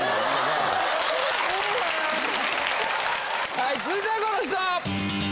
はい続いてはこの人！